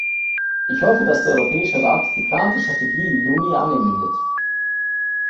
Ich hoffe, dass der Europäische Rat die geplante Strategie im Juni annehmen wird.